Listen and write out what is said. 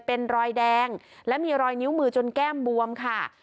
เป็นรอยแดงและมีรอยนิ้วมือจนแก้มบวมค่ะ